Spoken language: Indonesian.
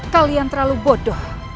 kalian terlalu bodoh